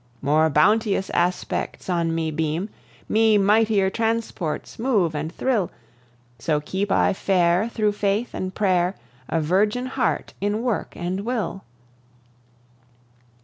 More bounteous aspects on me beam, Me mightier transports move and thrill; So keep I fair thro' faith and prayer A virgin heart in work and will.